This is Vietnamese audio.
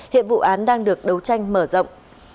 hiện vụ án đang được đấu tranh mở rộng